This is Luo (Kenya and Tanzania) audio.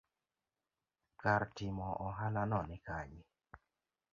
kar timo ohalano ni kanye?